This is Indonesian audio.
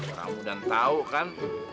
orang muda tahu kan